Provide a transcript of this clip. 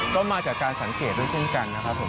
ก็มาจากการสังเกตด้วยเช่นกันนะครับผม